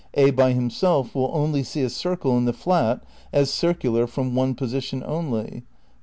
A by himself will only see a circle in the flat as circular from one position only.